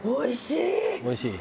「おいしい？」